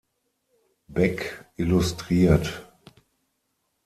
Beck illustriert.